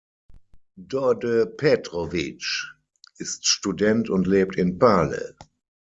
Đorđe Petrović ist Student und lebt in Pale.